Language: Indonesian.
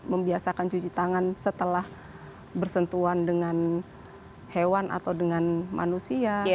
membiasakan cuci tangan setelah bersentuhan dengan hewan atau dengan manusia